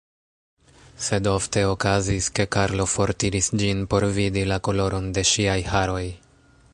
Sed ofte okazis, ke Karlo fortiris ĝin por vidi la koloron de ŝiaj haroj.